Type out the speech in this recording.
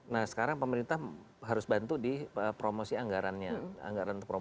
nah sekarang pemerintah harus bantu di promosi anggarannya